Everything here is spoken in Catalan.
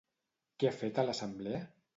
Què ha fet a l'assemblea?